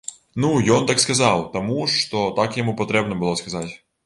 Ну, ён так сказаў, таму, што так яму патрэбна было сказаць.